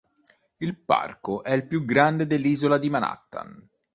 Il parco è il più grande dell'isola di Manhattan.